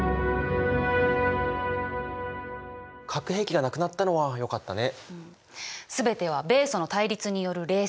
核兵器がなくなったのはよかったね。